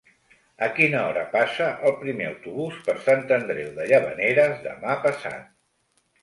A quina hora passa el primer autobús per Sant Andreu de Llavaneres demà passat?